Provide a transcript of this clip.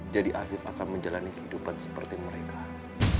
jadi afif akan menjalani kehidupan seperti mereka itu